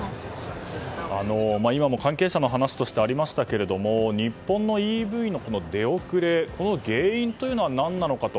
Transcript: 今も関係者の話としてありましたけれども日本のＥＶの出遅れ、この原因は何なのかと。